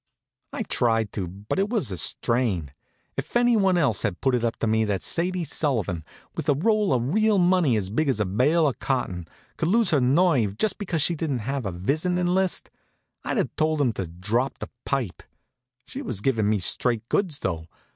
I tried to; but it was a strain. If anyone else had put it up to me that Sadie Sullivan, with a roll of real money as big as a bale of cotton, could lose her nerve just because she didn't have a visitin' list, I'd have told 'em to drop the pipe. She was giving me straight goods, though.